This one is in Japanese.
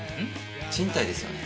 賃貸ですよね？